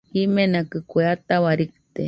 Jimenakɨ kue ataua rite